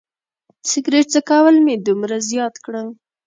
سګرټ څکول مې دومره زیات کړل.